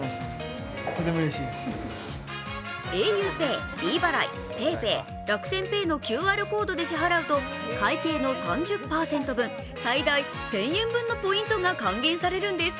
ａｕＰＡＹ、ｄ払い、ＰａｙＰａｙ、楽天ペイのＱＲコードで支払うと、会計の３０％分、最大１０００円分のポイントが還元されるんです。